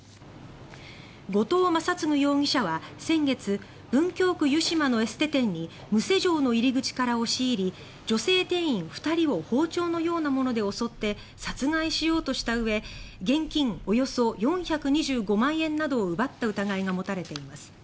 後藤仁乙容疑者は先月文京区湯島のエステ店に無施錠の入り口から押し入り女性店員２人を包丁のようなもので襲って殺害しようとしたうえ現金およそ４２５万円などを奪った疑いが持たれています。